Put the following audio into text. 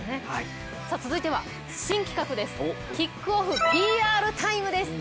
続いては新企画です、「ＫＩＣＫＯＦＦ！ＰＲタイム」です！